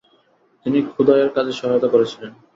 তিনি খোদাইয়ের কাজে সহায়তা করেছিলেন।